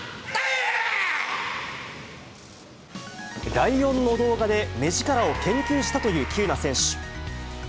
ライオンの動画で目力を研究したという喜友名選手。